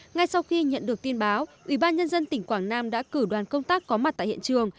ngay sau khi nhận được tin báo ủy ban nhân dân tỉnh quảng nam đã cử đoàn công tác có mặt tại hiện trường